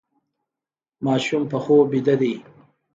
ماشوم په خوب ویده دی.